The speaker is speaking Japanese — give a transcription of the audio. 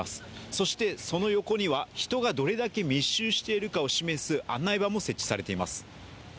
そしてその横には、人がどれだけ密集しているかを示す案内板も設置されています。